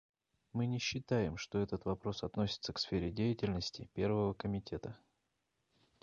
Мы не считаем, что этот вопрос относится к сфере деятельности Первого комитета.